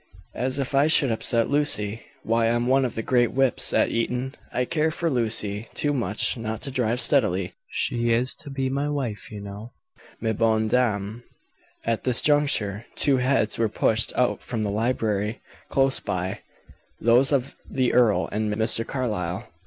"As if I should upset Lucy! Why, I'm one of the great whips at Eton. I care for Lucy too much not to drive steadily. She is to be my wife, you know, ma bonne dame." At this juncture two heads were pushed out from the library, close by; those of the earl and Mr. Carlyle.